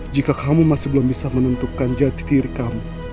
jika kamu masih belum bisa menentukan jati diri kamu